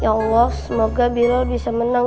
ya allah semoga biro bisa menang